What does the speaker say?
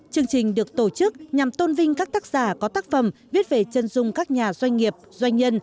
chương trình được tổ chức nhằm tôn vinh các tác giả có tác phẩm viết về chân dung các nhà doanh nghiệp doanh nhân